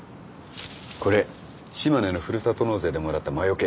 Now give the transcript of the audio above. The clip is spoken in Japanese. これ島根のふるさと納税でもらった魔よけ。